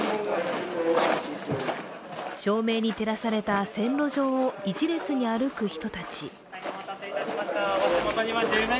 照明に照らされた線路上を一列に歩く人たち。